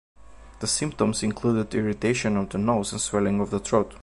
The symptoms included irritation of the nose and swelling of the throat.